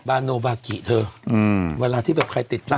โนบากิเธอเวลาที่แบบใครติดตาม